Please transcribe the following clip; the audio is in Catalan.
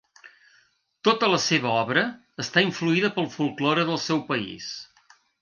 Tota la seva obra està influïda pel folklore del seu país.